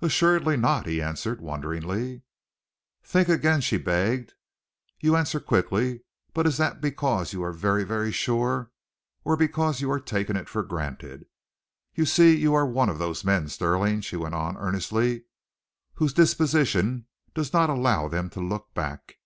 "Assuredly not," he answered wonderingly. "Think again," she begged. "You answer quickly, but is that because you are very, very sure, or because you are taking it for granted? You see you are one of those men, Stirling," she went on earnestly, "whose disposition does not allow them to look back.